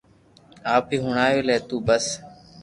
آپ ھي ھڻاو لي تو بس